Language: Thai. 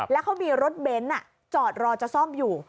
แล้วเขามีรถเบนท์จอดรอจะซ่อมอยู่